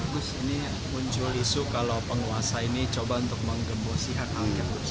gus ini muncul isu kalau penguasa ini coba untuk menggembosi hak angket gus